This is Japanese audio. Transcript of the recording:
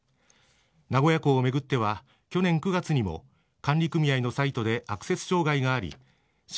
名古屋港を巡っては去年９月にも管理組合のサイトでアクセス障害があり親